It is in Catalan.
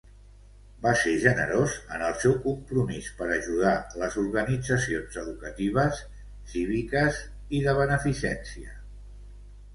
Va ser generós en el seu compromís per ajudar les organitzacions educatives, cíviques i de beneficència.